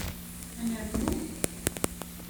Ad nernu?